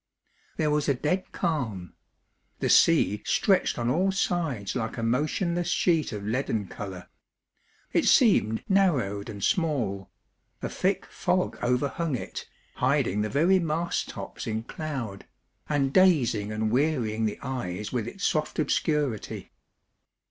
There was a dead calm. The sea stretched on all sides like a motionless sheet of leaden colour. It seemed narrowed and small ; a thick fog overhung it, hiding the very mast tops in 317 POEMS IN PROSE cloud, and dazing and wearying the eyes with its soft obscurity.